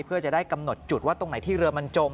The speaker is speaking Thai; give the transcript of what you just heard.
เพื่อจะได้กำหนดจุดว่าตรงไหนที่เรือมันจม